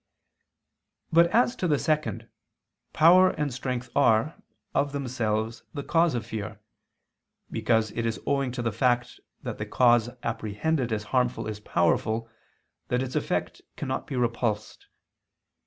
But as to the second, power and strength are, of themselves, the cause of fear: because it is owing to the fact that the cause apprehended as harmful is powerful, that its effect cannot be repulsed.